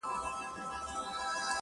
تا ته به ډلي په موسکا د سهیلیو راځي-